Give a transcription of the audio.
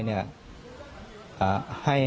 เนี่ย